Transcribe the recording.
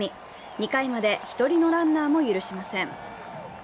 ２回まで１人のランナーも許しません。